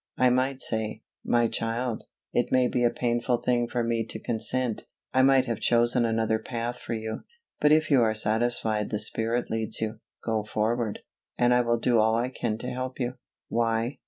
I might say, "My child, it may be a painful thing for me to consent. I might have chosen another path for you; but if you are satisfied the Spirit leads you, go forward, and I will do all I can to help you." Why?